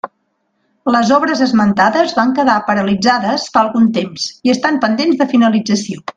Les obres esmentades van quedar paralitzades fa algun temps i estan pendents de finalització.